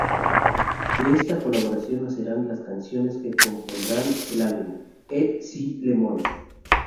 De esta colaboración nacerán las canciones que compondrán el álbum "Et si le monde".